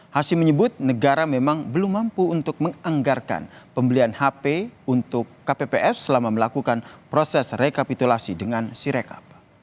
hasim menyebut negara memang belum mampu untuk menganggarkan pembelian hp untuk kpps selama melakukan proses rekapitulasi dengan sirekap